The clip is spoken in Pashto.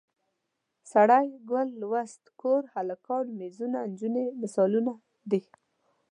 سړی، ګل، لوست، کور، هلکان، میزونه، نجونې مثالونه دي.